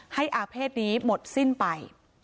อาเภษนี้หมดสิ้นไป